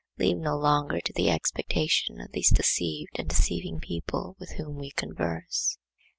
Live no longer to the expectation of these deceived and deceiving people with whom we converse.